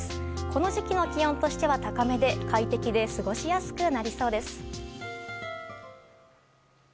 この時期の気温としては高めで快適で過ごしやすくなりそうです。